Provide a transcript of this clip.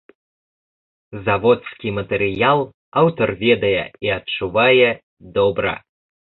Заводскі матэрыял аўтар ведае і адчувае добра.